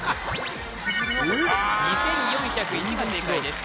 ２４０１が正解です